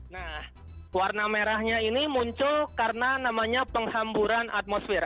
nah warna merahnya ini muncul karena namanya penghamburan atmosfer